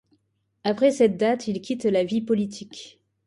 Après cette date, il quitte la vie politique.